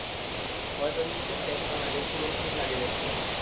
হয়তো নীল চোখে এখন আমায় বেশ সুদর্শনই লাগে দেখতে!